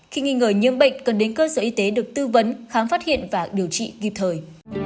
khi nghi ngờ nhiễm bệnh cần đến cơ sở y tế được tư vấn khám phát hiện và điều trị kịp thời